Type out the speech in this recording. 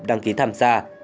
đăng ký tham gia